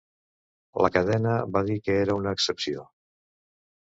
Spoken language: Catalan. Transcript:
La cadena va dir que era una excepció.